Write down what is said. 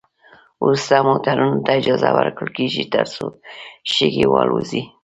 وروسته موټرو ته اجازه ورکول کیږي ترڅو شګې والوزوي